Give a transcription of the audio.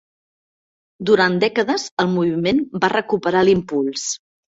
Durant dècades, el moviment va recuperar l'impuls.